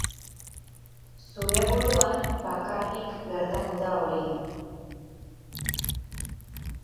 Zure buruan bakarrik gertatu da hori.